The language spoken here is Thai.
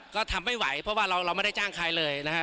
ก็ทำไม่ไหวเพราะว่าเราไม่ได้จ้างใครเลยนะฮะ